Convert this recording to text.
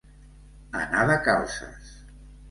Anar de calces.